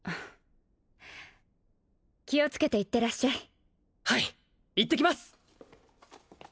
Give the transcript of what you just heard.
気をつけていってらっしゃいはいいってきます！